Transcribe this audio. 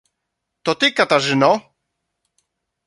"to ty Katarzyno."